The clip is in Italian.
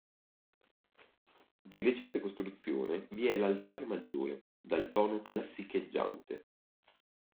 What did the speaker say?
Di recente costruzione vi è l'altare maggiore, dal tono classicheggiante.